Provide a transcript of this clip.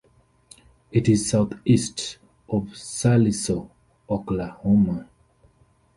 It is southeast of Sallisaw, Oklahoma.